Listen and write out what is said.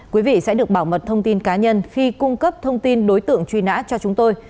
quý vị sẽ được bảo mật thông tin cá nhân khi cung cấp thông tin đối tượng truy nã cho chúng tôi